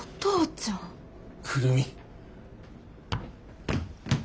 久留美。